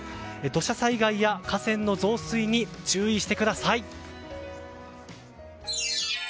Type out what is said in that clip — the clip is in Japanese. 土砂災害や河川の増水に注意してください。